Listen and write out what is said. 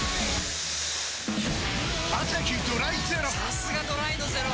さすがドライのゼロ！